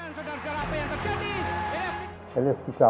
pertama kali yang terjadi eli eskical